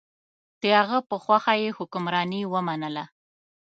د هغه په خوښه یې حکمراني ومنله.